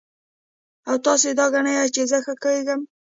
او تاسو دا ګڼئ چې زۀ ښۀ کېږم